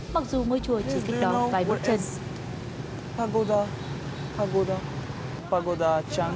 mặc dù ngôi chùa chỉ cách đó vài bốn chân